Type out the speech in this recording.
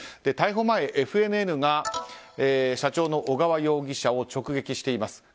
逮捕前、ＦＮＮが社長の小川容疑者を直撃しています。